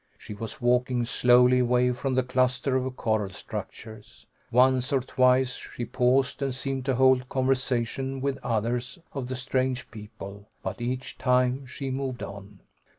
She was walking slowly away from the cluster of coral structures. Once or twice she paused, and seemed to hold conversation with others of the strange people, but each time she moved on.